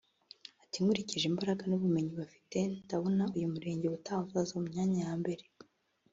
Ati “Nkurikije imbaraga n’ubumenyi bafite ndabona uyu murenge ubutaha uzaza mu myanya ya mbere